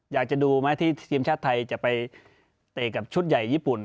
อยากจะดูไหมที่ทีมชาติไทยจะไปเตะกับชุดใหญ่ญี่ปุ่น